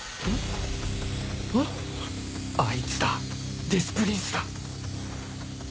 あいつだ「デス・プリンス」だ